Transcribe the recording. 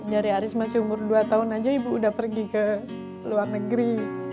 dari aris masih umur dua tahun aja ibu udah pergi ke luar negeri